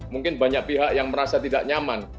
mungkin banyak pihak yang merasa tidak nyaman